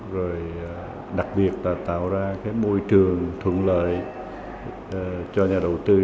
rồi đặc biệt là tạo ra cái môi trường thuận lợi cho nhà đầu tư